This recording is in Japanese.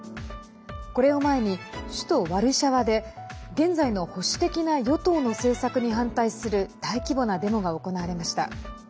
これを前に首都ワルシャワで現在の保守的な与党の政策に反対する大規模なデモが行われました。